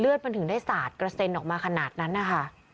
มันถึงได้สาดกระเซ็นออกมาขนาดนั้นนะคะ